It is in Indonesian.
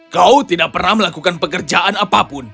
kau tidak pernah melakukan pekerjaan apapun